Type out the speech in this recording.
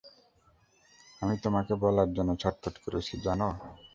আমি তোমাকে বলার জন্য ছটফট করেছি, জানো!